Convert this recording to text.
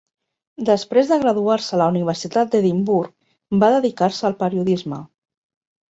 Després de graduar-se a la Universitat d'Edimburg, va dedicar-se al periodisme.